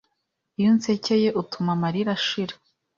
Iyo unsekeye utuma amarira ashira